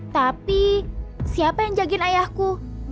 tapi siapa yang jagin ayahku